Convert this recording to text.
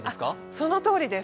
そのとおりです。